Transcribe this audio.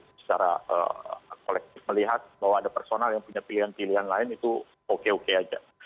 secara kolektif melihat bahwa ada personal yang punya pilihan pilihan lain itu oke oke aja